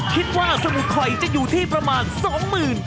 คิดว่าสมุทรคอยจะอยู่ที่ประมาณ๒หมื่น